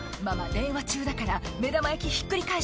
電話中だから目玉焼きひっくり返して」